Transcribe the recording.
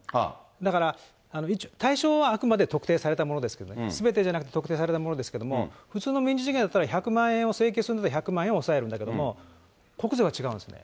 だから、対象はあくまで特定されたものですけども、すべてじゃなくて特定されたものですけれども、普通の民事事件だったら１００万円を請求するのに１００万円を押さえるんだけども、国税は違うんですね。